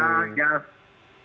sampai ketemu lagi